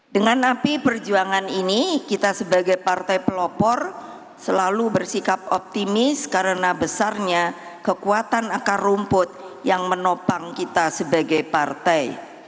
dengan napi perjuangan ini kita sebagai partai pelopor selalu bersikap optimis karena besarnya kekuatan akar rumput yang menopang kita sebagai partai